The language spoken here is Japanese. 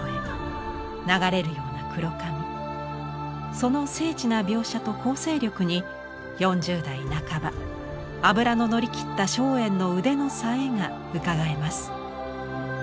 その精緻な描写と構成力に４０代半ば脂の乗り切った松園の腕の冴えがうかがえます。